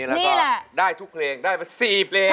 นี่แหละแล้วก็ได้ทุกเพลงได้มา๔เพลง